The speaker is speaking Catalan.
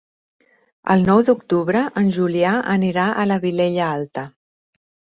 El nou d'octubre en Julià anirà a la Vilella Alta.